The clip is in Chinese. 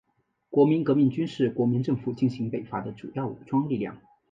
国民革命军是国民政府进行北伐的主要武装力量。